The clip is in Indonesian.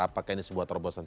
apakah ini sebuah terobosan